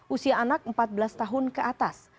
usia anak empat belas tahun ke atas